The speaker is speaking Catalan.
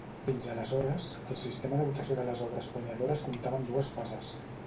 Fins aleshores, el sistema de votació de les obres guanyadores comptava amb dues fases.